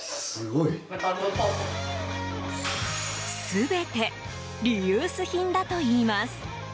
全てリユース品だといいます。